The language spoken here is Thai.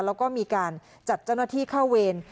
แล้วก็มีการจัดเจ้าหน้าที่เข้าเวร